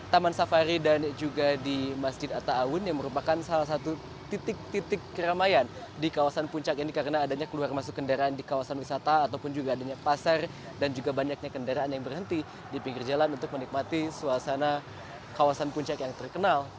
taman safari dan juga di masjid atta awun yang merupakan salah satu titik titik keramaian di kawasan puncak ini karena adanya keluar masuk kendaraan di kawasan wisata ataupun juga adanya pasar dan juga banyaknya kendaraan yang berhenti di pinggir jalan untuk menikmati suasana kawasan puncak yang terkenal